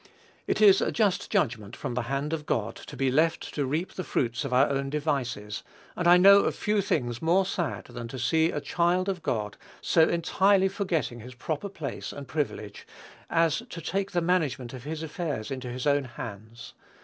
It is a just judgment from the hand of God to be left to reap the fruits of our own devices; and I know of few things more sad than to see a child of God so entirely forgetting his proper place and privilege, as to take the management of his affairs into his own hands.